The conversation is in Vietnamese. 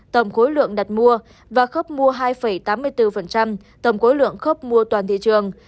tổng khối lượng đặt mua và khớp mua hai tám mươi bốn tầm khối lượng khớp mua toàn thị trường